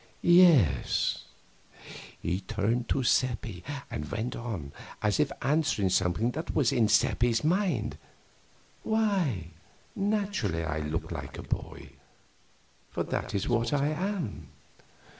"Yes." He turned to Seppi, and went on as if answering something that was in Seppi's mind: "Why, naturally I look like a boy, for that is what I am.